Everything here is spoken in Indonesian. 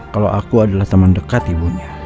kalo aku adalah temen deket ibunya